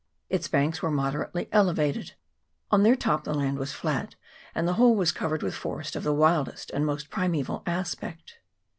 Its banks were moderately ele vated ; on their top the land was flat, and the whole was covered with forest of the wildest and most CHAP. VII.] WA1WITI ISLAND. 149 primeval aspect.